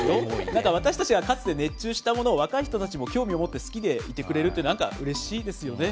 なんか私たちがかつて熱中したものを、若い人たちも興味を持って、好きでいてくれるってなんかうれしいですよね。